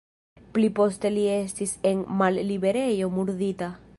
Pli poste li estis en malliberejo murdita.